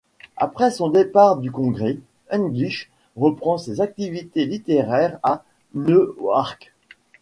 Après son départ du Congrès, English reprend ses activités littéraires à Newark.